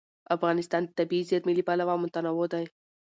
افغانستان د طبیعي زیرمې له پلوه متنوع دی.